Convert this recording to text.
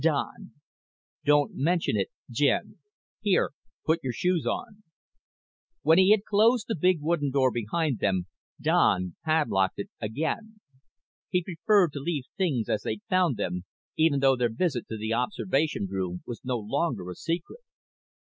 "Don't mention it Jen. Here, put your shoes on." When he had closed the big wooden door behind them, Don padlocked it again. He preferred to leave things as they'd found them, even though their visit to the observation room was no longer a secret.